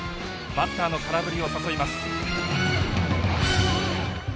バッターの空振りを誘います。